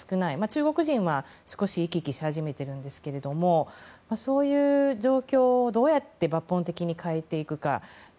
中国人は少し行き来し始めているんですがそういう状況をどうやって抜本的に変えていくか。